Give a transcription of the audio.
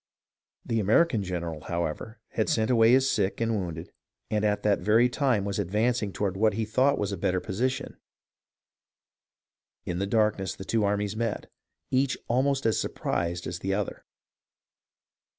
The American general, however, had sent away his sick and wounded, and at that very time was advancing toward what he thought was a better position ; in the darkness the two armies met, each almost as surprised as the other.